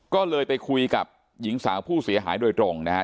ก็เลยไปคุยกับหญิงสาวผู้เสียหายโดยตรงนะฮะ